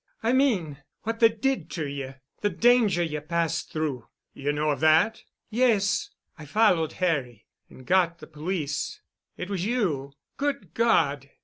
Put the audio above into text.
I mean, what they did to you—the danger you passed through——" "You know of that?" "Yes. I followed Harry, and got the police——" "It was you? Good God!"